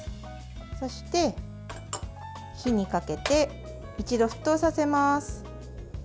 そして、火にかけて一度沸騰させます。